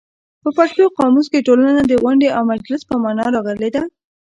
په پښتو قاموس کې ټولنه د غونډې او مجلس په مانا راغلې ده.